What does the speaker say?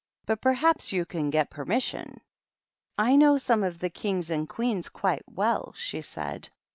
But perhaps you can get permission." " I know some of the Kings and Queens quite well," she said.